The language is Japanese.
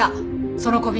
その小瓶